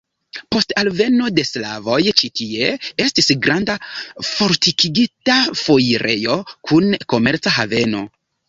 Post alveno de slavoj ĉi tie estis granda fortikigita foirejo kun komerca haveno.